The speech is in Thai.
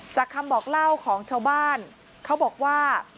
คำบอกเล่าของชาวบ้านเขาบอกว่า